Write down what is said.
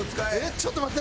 ちょっと待って。